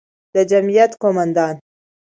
د جمعیت قوماندان،